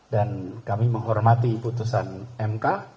dan kami menghormati putusan mk